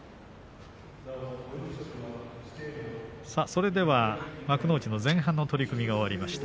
それでは幕内の前半の取組が終わりました。